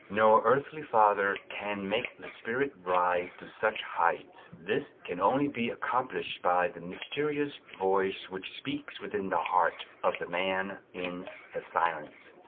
No earthly father can make the spirit rise to such heights; this can only be accomplished by the mysterious voice which speaks within the heart of the man in the silence.